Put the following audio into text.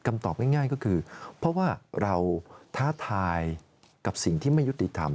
ตอบง่ายก็คือเพราะว่าเราท้าทายกับสิ่งที่ไม่ยุติธรรม